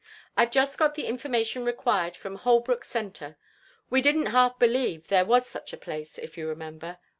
"I've just got the information required from Holbrook Centre. We didn't half believe there was such a place, if you remember?